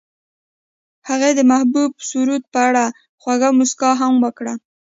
هغې د محبوب سرود په اړه خوږه موسکا هم وکړه.